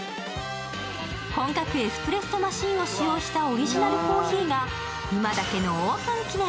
本格エスプレッソマシンを使用したオリジナルコーヒーが今だけのオープン記念。